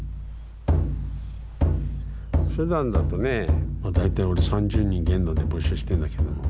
ふだんだとね大体俺３０人限度で募集してるんだけども。